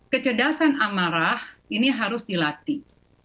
kecerdasan amarah ini harus dilatih